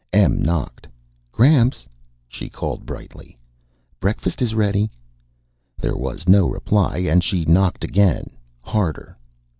Em knocked. "Gramps," she called brightly, "break fast is rea dy." There was no reply and she knocked again, harder.